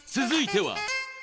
続いては。